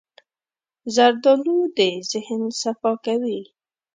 زردالو د ذهن صفا کوي.